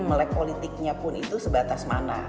melek politiknya pun itu sebatas mana